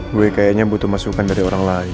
gue kayaknya butuh masukan dari orang lain